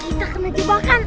kita kena jebakan